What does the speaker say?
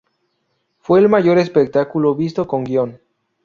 Fue el mayor espectáculo visto con guion.